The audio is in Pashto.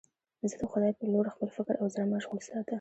زه د خدای په لور خپل فکر او زړه مشغول ساته.